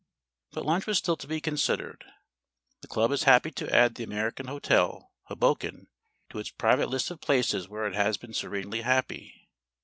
But lunch was still to be considered. The club is happy to add The American Hotel, Hoboken, to its private list of places where it has been serenely happy.